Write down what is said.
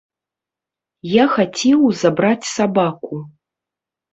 Я хацеў забраць сабаку.